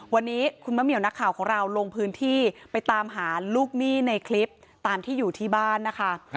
วันนี้คุณมะเหมียวนักข่าวของเราลงพื้นที่ไปตามหาลูกหนี้ในคลิปตามที่อยู่ที่บ้านนะคะ